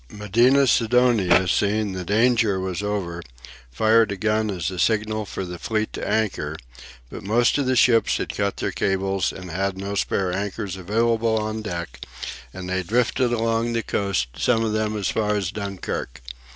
Medina Sidonia, seeing the danger was over, fired a gun as a signal for the fleet to anchor, but most of the ships had cut their cables, and had no spare anchors available on deck, and they drifted along the coast, some of them as far as Dunkirk.